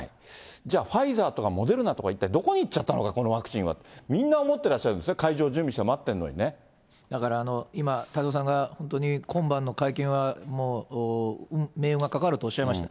じゃあファイザーとかモデルナとか、一体どこにいっちゃったのか、このワクチンはって、みんな思ってらっしゃるんですね、だから、今、太蔵さんは本当に今晩の会見は命運がかかるとおっしゃいました。